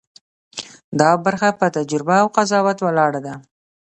دا برخه په تجربه او قضاوت ولاړه ده.